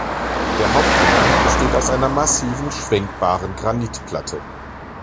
Der Haupteingang besteht aus einer massiven, schwenkbaren Granitplatte.